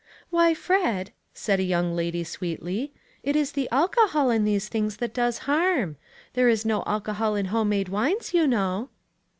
" Why, Fred," said a young lady, sweetly, "it is the alcohol in these things that does harm ; there is no alcohol in home made wines, you know."